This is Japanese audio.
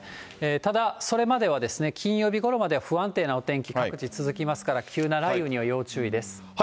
ただ、それまでは、金曜日ごろまでは不安定なお天気、各地続きますから、急な雷雨には要注意です。